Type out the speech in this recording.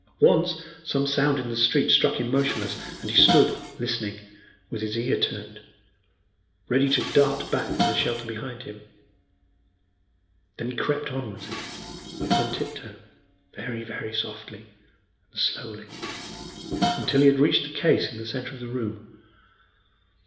Once some sound in the street struck him motionless, and he stood listening, with his ear turned, ready to dart back to the shelter behind him. Then he crept onwards again upon tiptoe, very, very softly and slowly, until he had reached the case in the centre of the room.